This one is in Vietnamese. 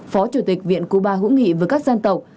phó chủ tịch viện cuba hữu nghị với các dân tộc